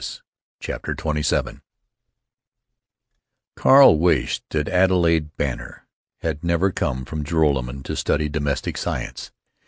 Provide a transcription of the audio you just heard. CHAPTER XXVII arl wished that Adelaide Benner had never come from Joralemon to study domestic science.